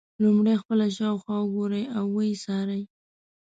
لومړی خپله شاوخوا وګورئ او ویې څارئ.